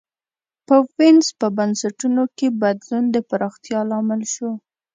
په وینز په بنسټونو کې بدلون د پراختیا لامل شو.